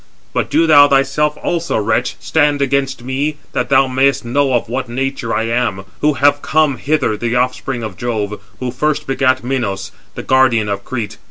But do thou thyself also, wretch, stand against me, that thou mayest know of what nature I am, who have come hither the offspring of Jove, who first begat Minos, the guardian of Crete.